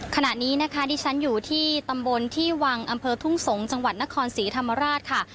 ขณะนี้นะคะดิฉันอยู่ที่ตำบลที่วังอำเภอทุ่งสงศ์จังหวัดนครศรีธรรมราชค่ะ